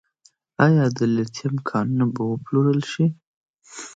آیا د لیتیم کانونه به وپلورل شي؟